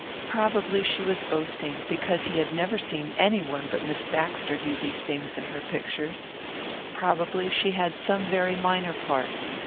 Probably she was boasting, because he had never seen any one but Miss Baxter do these things in her pictures. Probably she had some very minor part.